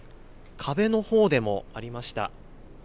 壁のほうでもありました。